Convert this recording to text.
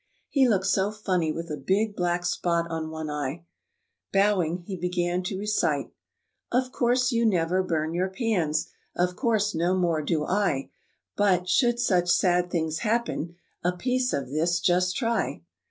He looked so funny with a big black spot on one eye! Bowing, he began to recite: "Of course, you never burn your pans, Of course, no more do I; But, should such sad things happen, A piece of this just try."